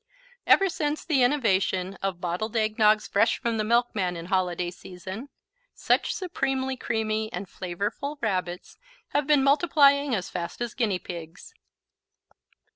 Ever since the innovation of bottled eggnogs fresh from the milkman in holiday season, such supremely creamy and flavorful Rabbits have been multiplying as fast as guinea pigs.